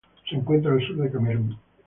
Se encuentra al sur de Camerún.